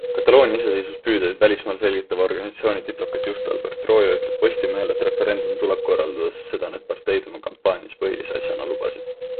Kataloonia iseseisvuspüüdeid välismaal selgitava organisatsiooni Diplocat juht Albert Royo ütleb Postimehele, et referendum tuleb korraldada, sest seda need parteid oma kampaanias põhilise asjana lubasid.